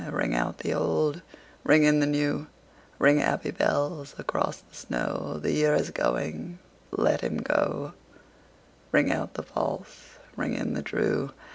Ring out the old, ring in the new, Ring, happy bells, across the snow: The year is going, let him go; Ring out the false, ring in the true.